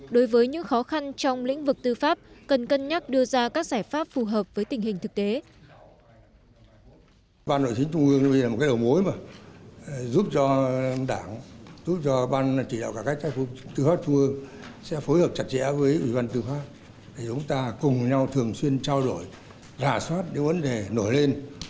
đối với những khó khăn trong lĩnh vực tư pháp cần cân nhắc đưa ra các giải pháp phù hợp với tình hình thực tế